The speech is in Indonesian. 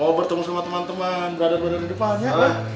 mau bertemu sama teman teman brader brader di depan ya